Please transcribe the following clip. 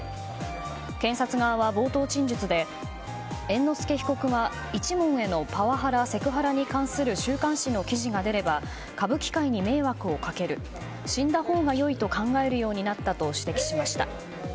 検察側は、冒頭陳述で猿之助被告は一門へのパワハラ・セクハラに関する週刊誌の記事が出れば歌舞伎界に迷惑をかける死んだほうが良いと考えるようになったと指摘しました。